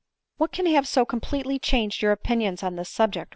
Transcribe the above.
" What can have so completely changed your opinions on this subject